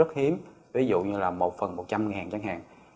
rất hiếm ví dụ như là một phần một trăm linh ngàn chẳng hạn